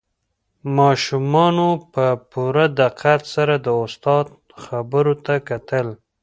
ماشومانو په پوره دقت سره د استاد خبرو ته کتل.